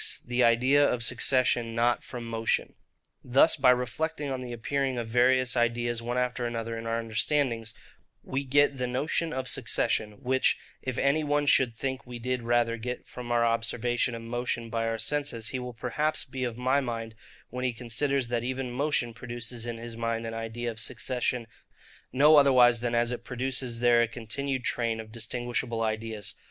The Idea of Succession not from Motion. Thus by reflecting on the appearing of various ideas one after another in our understandings, we get the notion of succession; which, if any one should think we did rather get from our observation of motion by our senses, he will perhaps be of my mind when he considers, that even motion produces in his mind an idea of succession no otherwise than as it produces there a continued train of distinguishable ideas.